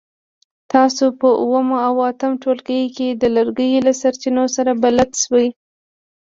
تاسو په اووم او اتم ټولګي کې د لرګیو له سرچینو سره بلد شوي.